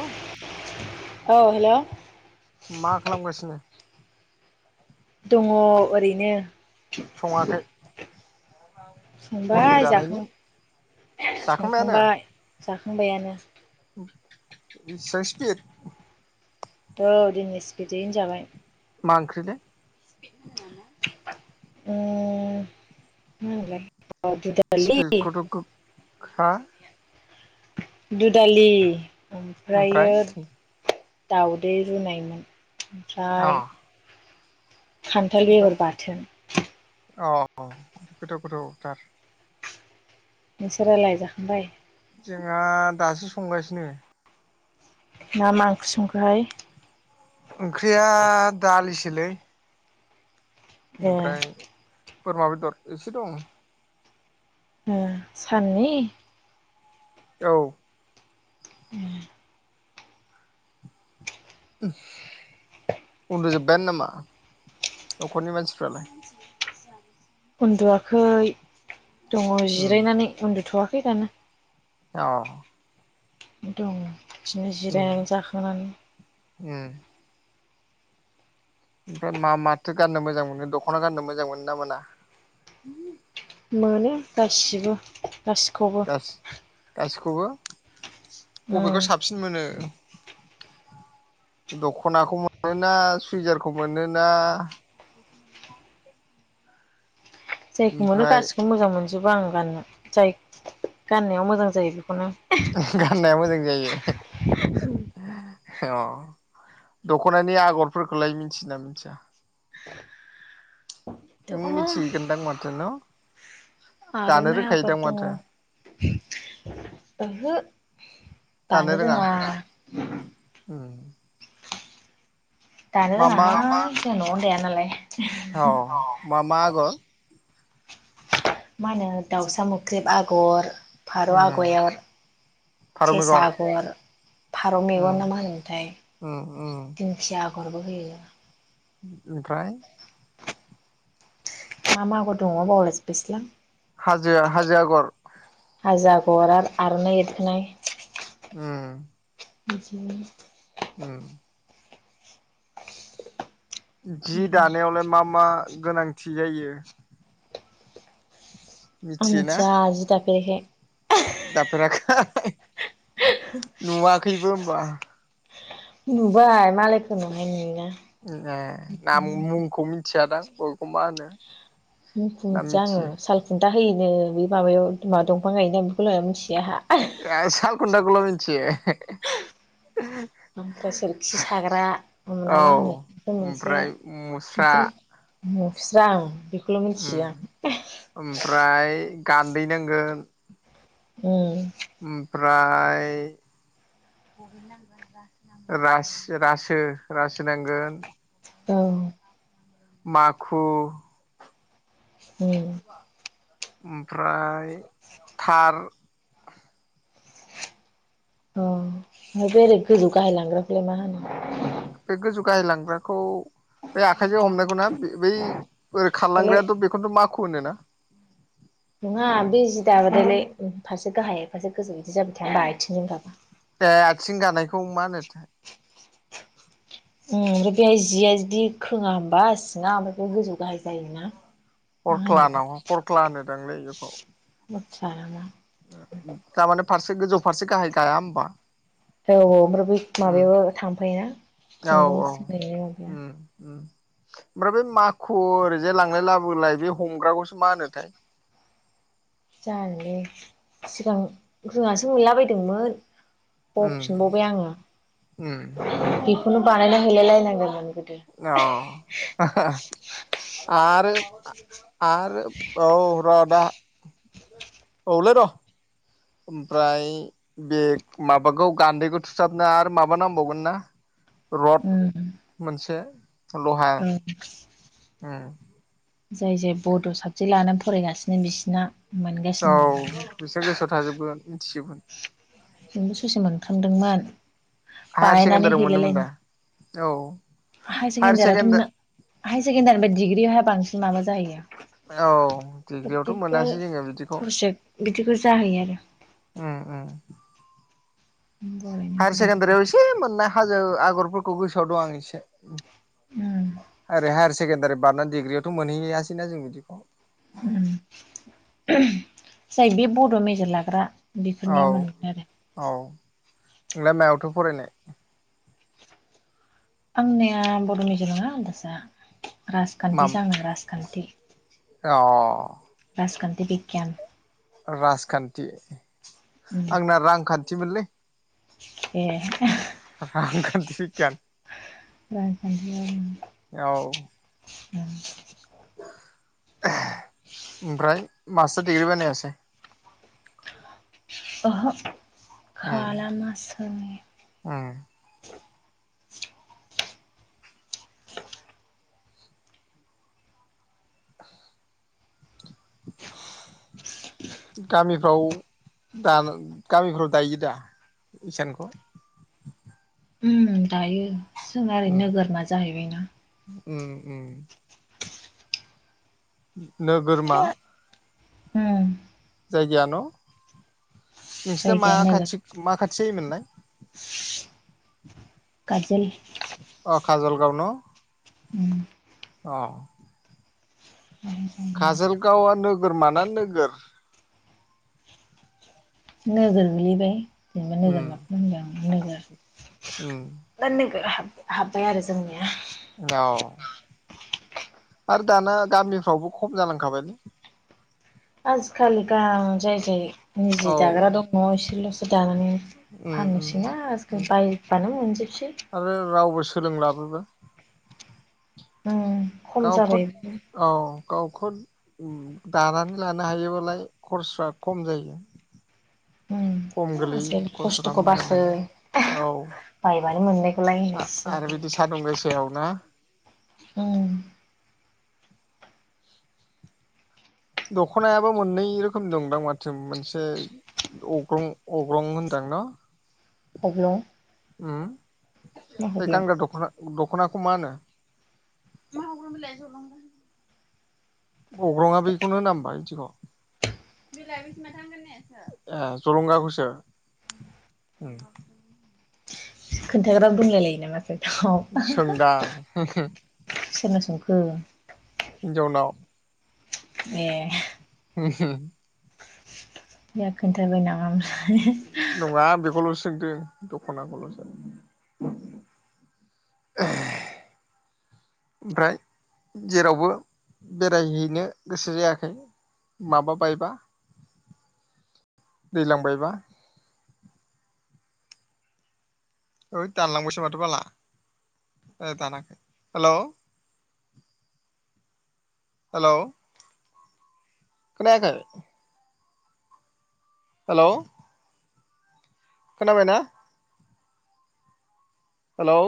औ। औ हेल'। मा खालामगासिनो? दङ ओरैनो। सङाखै? हरनि संबाय, जानायनि जाखां जाखांबायानो संखांबाय जाखांबायानो। इसां स्पित। औ दिनिस बिदियैनो जाबाय। मा ओंख्रिलै। स्पिडखौथ' [unintelligible] गोखा दुदालि, ओमफ्राय ओमफ्रायो दाउदै रुनायमोन, अ ओमफ्राय खान्थाल बेगर बाथोन। अह गोथाव गोथावथार। नोंसोरालाय जाखांबाय? जोंहा दासो संगासिनो। ना मा ओंख्रि संख्रि संखोहाय? ओंख्रिया दालिसोलै। ए ओमफ्राय बोरमा बेदर एसे दं। साननि? औ। [inaudible] [inaudible] उन्दुजोबबायानो नामा न'खरनि मानसिफ्रालाय? उन्दुवाखै दङ जिरायनानै उन्दुथ'वाखै दानो। अह। दं बिदिनो जिरायनानै जाखांनानै। [inaudible] ओमफ्राय मा माथो गाननो मोजां मोनो दख'ना गाननो मोजां मोनो ना मोना? मोनो गासिबो गासिखौबो। बो बबेखौ उम साबसिन मोनो? दख'नाखौ मोनोना सुइजारखौ मोनोना? जायखौ मोनो ओमफ्राय गासिखौबो मोजां मोनजोबो आं गाननो जाय गाननायाव मोजां जायो बेखौनो। गाननाया मोजां जायो [unintelligible] अ दख'नानि आगरफोरखौलाय मिन्थियो ना मिथिया? नों दङ मिथिगोन दां माथो न? दानो आर'नाय आगर रोंखायोदां दङो माथो ओहो दानो रोङा उम दानो मा रोङा मा हां जोंहा न'आवनो दाया नालाय। औ मा मा आगर मा होनो दाउसा मोख्रेब आगर, फारौ उम आग'अर फारौ सेसा मेगन आगर, फारौ उम मेगन नामा होनोथाय उम उम दिंखिया आग गरबो होयो ओमफ्राय मा मा [unintelligible] दङ बावला जोबबायसोलां। हाजो हाजो आगर हाजो आगर आर आर'नाय एरखोनाय। उम बिदि [inaudible] उम जि दानायावलाय मा मा गोनांथि जायो? आं मिथियोना मिथिया जि दाफेरिखाय। दाफेराखै [unintelligible] नुवाखैबो होनबा। नुबाय मालायखौ नुहाय नुयोना। ए नाम मुंखौ मिथियादां अबेखौ मा होनो मुंखौ ना मिथिया आङो मिथियो साल खुं दा होयोनो बि माबायावा दंफां गायोना बेखौलाय मिथिया आंहा। सालखुन्था खौल' मिथियो [unintelligible] ओमफ्राय सोरखि साग्रा ना औ मा होनो? [unintelligible] मोनसे ओमफ्राय मुस्रा बिदि नफस्रां आं बेखौल' मिथियो उम आं [unintelligible] गान्दैनांगोन। [unintelligible] ओमफ्राय [unintelligible] रास रासो रासो नांगोन। औ। माखु उम। ओमफ्राय थार अ ओमफ्राय बेलेग गोजौ गाहाय लांग्राखौलाय मा होनो? बे गोजौ गाहाय लांग्राखौ बे आखाइजों हमनायखौ ना बै ओरै दालाय खारलांग्रायाथ' बेखौनोथ' मााखु होन ना? नङा बे जि दाबथायलाय फारसे गाहाय फारसे गोजौ बिदि जाबायथायाया होमबा आथिंजोंखाबा ए आथिं जानायखौ मा होनो? [inaudible] उम [unintelligible] बेहाय जिया जुदि खोङा होमबा सिङा ओमफ्राय बे गोजौ गाहाय जायोना? मा हरख्ला होनो होनाव खरख्ला होनोदांलै बेखौ [unintelligible] थारमाने फारसे गोजौ फारसे गाहाय गाया होमबा औ औ ओमफ्राय बै उम माबायाबो थांफायोना औ खुन्दुं औ सिनाय माबाया उम उम ओमफ्राय बे माखु ओरैजाय लांलाय लाबोलाय बे हमग्राखौसो मा होनोथाय [inaudible] जानोलै सिगां जेङासो मोनला बायदोंमोन उम बफिनबावबाय आङो उम [unintelligible] बेखौनो बानायना हैलाय लायनांगोनमोन गो औ आरो आरो औ र'दा औलै र' ओमफ्राय बे माबाखौ गान्दैखौ थुसाबनो आरो माबा नांबावगोन ना र'ड ओं मोनसे ल'हा जाय जाय बड' साबजेक्ट लानानै फरायगासिनो बिसिना औ मोनगासिनो दं दानिया बिसोर गोसोआव थाजोबगोन मिथिजोबगोन। जोंबो ससे मोनखांदोंमोन हायार बानायनानै सेकेण्डारियाव हैलाय मोनोमोन दा औ लायनो हाय हायार सेकणडारियावाथ' सेकेणडारि हाय सेकणडारि दिग्रि बांसिन माबा जायो औ डिग्रियावथ' प्रेक्टिकेल मोनासै जोङो बिदिखौ प्रजेक बिदिखौ जाहैयो आरो उम उम बर'नि हायार गुबै जायो। सेकेण्डारियाव एसे मोननाय हाजो आगरफोरखौ गोसोआव दं आं एसे उम ओरै हायार सेकेण्डारि बारनानै डिग्रियावथ' मोनहैयासैना जों बिदिखौ जाय बे बड' मेजेर लाग्रा औ बेफोरनिया मोनगोन आरो औ नोंलाय मायावथ' फरायनाय आंनिया बर'मेजरावनोगोजा राजखान्थिसो आं राजखान्थि अह राजखान्थि बिगियान राजखान्थि आंना रांखान्थिमोनलै एह रांखान्थि बिगियान रांखान्थि ओं औ। ओमफ्राय मास्टार दिडिग्रि बानायासै ओहो उम खालामासै। उम गामिफ्राव दा गामिफ्राव दायो दा इसानखौ उम दायो जों ओरै उम नोगोरमा जाहैबायना उम उम नोगोरमा उम। जायगाय न'नोंसिना मा जायगाया नोगोर खाथि मा खाथि जायोमोनलाय गाजोल खाजलगाव न' उम अह माबा जायो आरो काजलगावआ नोगोर माना नोगोर नोगोर गोलैबाय जेनेबा नोगोर उम माखौ होनदों नोगोर उम दा नोगोर हाबबाय आरो जोंनिया औ आरो दाना गामिफ्रावबो खम जालांखाबाय आजिखालि गा जाय जाय औ निजे दाग्रा दं इसोरल'सो दङ दानानै उम उम फानोसैना उम आजिखालि बायबानो मोनजोबसै सोलोंलाबोबाय ओ गावखुद औ गावखुद उम दानानै लानो हायोबालाय खरस्रा खम जायो। उम खम गोलैयो आजिखालि खरस'राम खस्थ'खौ बासो नागोदनाय औ बायबानो मोननायखौलाय आ होनोसै आरो बिदि सान्दुं गोसायाव ना औ दखनायाबो मोननै रोखोम दंदां माथो मोनसे अग्लं अग्रं होनदां न' [unintelligible] उम मा ओइ हब्लं गानग्रा दखोना दखना खौ मानो मा अग्रं बिलाइ जलंगासो अग्रंआ बेखौनो होना होमबा इदिखौ बैलाय बैसो माथो आं गाननायासो ए जलंगाखौसो ओं खोन्थाग्राबो दंलाय लायो नामाथाय सोंदां सोरनाव सोंखो हिन्जावनाव ए [unintelligible] बे खोनथाबायनामा [unintelligible] नङा बेखौल'सो सोंदों दख'नाखौल'सो [unintelligible] ओमफ्राय जेरावबो बेरायहैनो गोसो जायाखै माबा बायबा दैलां बायबा ओइ दानलांबायसो माथो बाला ए दानाखै हेल' हेलौ खोनायाखै हेलौ खोनाबायना हेलौ